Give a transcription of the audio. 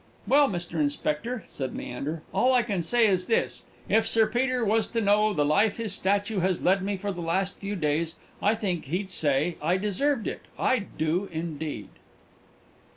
"Well, Mr. Inspector," said Leander, "all I can say is this: if Sir Peter was to know the life his statue has led me for the past few days, I think he'd say I deserved it I do, indeed!"